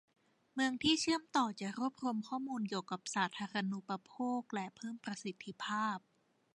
เมืองที่เชื่อมต่อจะรวบรวมข้อมูลเกี่ยวกับสาธารณูปโภคและเพิ่มประสิทธิภาพ